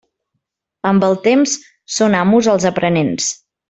Amb el temps, són amos els aprenents.